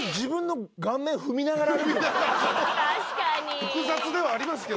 複雑ではありますけど。